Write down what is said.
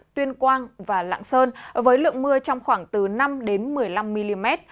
tuyên quang và lạng sơn với lượng mưa trong khoảng từ năm một mươi năm mm